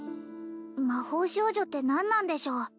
魔法少女って何なんでしょう？